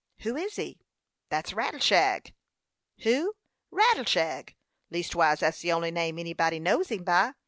"Who is he?" "Thet's Rattleshag." "Who?" "Rattleshag leastwise that's the only name anybody knows him by.